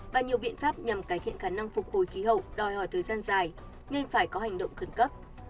và nhiều biện pháp nhằm cải thiện khả năng phục hồi khí hậu đòi hỏi thời gian dài nên phải có hành động khẩn cấp